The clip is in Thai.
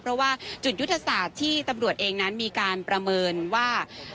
เพราะว่าจุดยุทธศาสตร์ที่ตำรวจเองนั้นมีการประเมินว่า